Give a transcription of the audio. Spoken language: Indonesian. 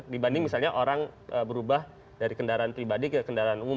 dibanding misalnya orang berubah dari kendaraan pribadi ke kendaraan umum